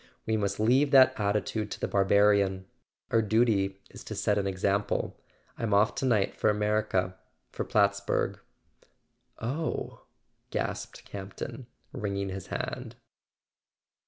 We must leave that attitude to the Barbarian. Our duty is to set an example. I'm off to night for America—for Plattsburg." "Oh " gasped Campton, wringing his hand.